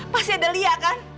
pasti ada lia kan